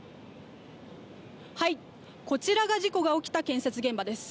こちらが事故が起きた建設現場です。